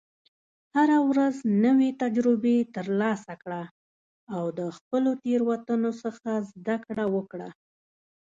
هره ورځ نوې تجربې ترلاسه کړه، او د خپلو تېروتنو څخه زده کړه وکړه.